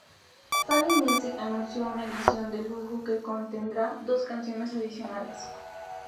Sony Music anuncio una "Edición de Lujo" que contendrá dos canciones adicionales.